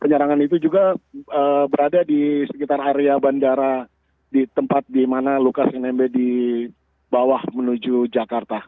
jadi berada di sekitar area bandara di tempat di mana lukas nmb di bawah menuju jakarta